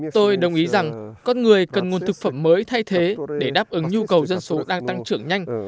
tôi đồng ý rằng con người cần nguồn thực phẩm mới thay thế để đáp ứng nhu cầu dân số đang tăng trưởng nhanh